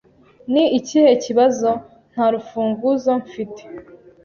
"Ni ikihe kibazo?" "Nta rufunguzo mfite."